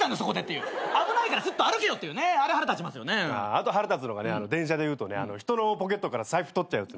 あと腹立つのが電車で言うとね人のポケットから財布取っちゃうやつ。